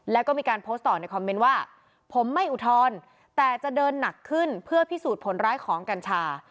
แล้วก็มีการโพสต์ต่อในคอมเมนต์ว่าผมไม่อุทธรณ์แต่จะเดินหนักขึ้นเพื่อพิสูจน์ผลร้ายของกัญชา